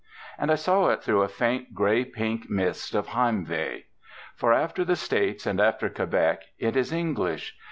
And I saw it through a faint grey pink mist of Heimweh. For after the States and after Quebec it is English.